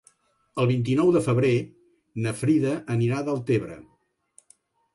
El vint-i-nou de febrer na Frida anirà a Deltebre.